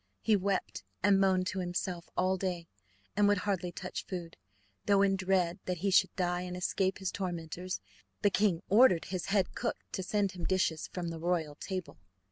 He wept and moaned to himself all day, and would hardly touch food, though, in dread that he should die and escape his tormentors, the king ordered his head cook to send him dishes from the royal table.